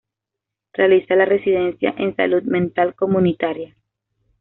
Realiza la Residencia en Salud Mental Comunitaria.